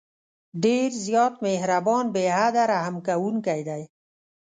ډېر زیات مهربان، بې حده رحم كوونكى دى.